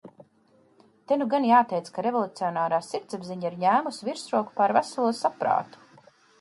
Te nu gan jāteic, ka revolucionārā sirdsapziņa ir ņēmusi virsroku pār veselo saprātu.